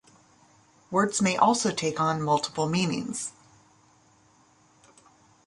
Words may also take on multiple meanings.